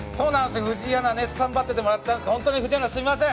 藤井アナスタンバっててもらったんですがすみません。